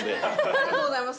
ありがとうございます。